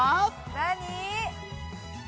何？